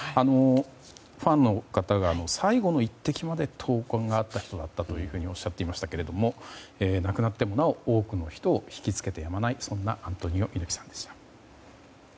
ファンの方が最後の一滴まで闘魂があった人だったとおっしゃっていましたけども亡くなってもなお多くの人を引き付けてやまないそんなアントニオ猪木さんでした。